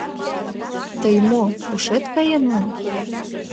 — Тый мо, ушет каен мо?